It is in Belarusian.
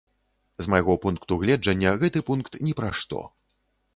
З майго пункту гледжання, гэты пункт ні пра што.